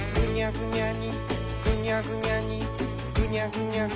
ぐにゃぐにゃぐにゃ、、、」